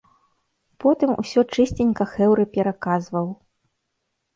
Потым усё чысценька хэўры пераказваў.